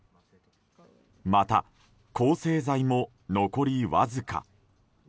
また、抗生剤も残りわずか。